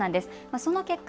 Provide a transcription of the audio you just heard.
その結果